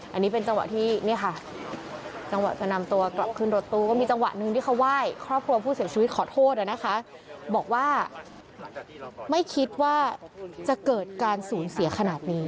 อันนี้เป็นจังหวะที่เนี่ยค่ะจังหวะจะนำตัวกลับขึ้นรถตู้ก็มีจังหวะหนึ่งที่เขาไหว้ครอบครัวผู้เสียชีวิตขอโทษนะคะบอกว่าไม่คิดว่าจะเกิดการสูญเสียขนาดนี้